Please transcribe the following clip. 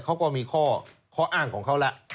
เขาก็มีข้ออ้างของเขาแล้ว